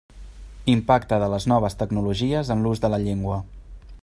Impacte de les noves tecnologies en l'ús de la llengua.